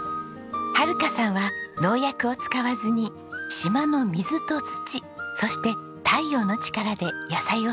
はるかさんは農薬を使わずに島の水と土そして太陽の力で野菜を育てています。